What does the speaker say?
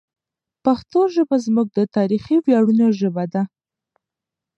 پښتو ژبه زموږ د تاریخي ویاړونو ژبه ده.